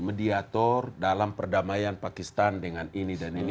mediator dalam perdamaian pakistan dengan ini dan ini